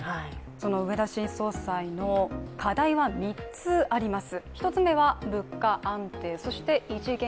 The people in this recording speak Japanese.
その植田新総裁の課題は３つあります。